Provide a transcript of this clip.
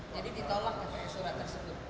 jadi ditolak dengan surat tersebut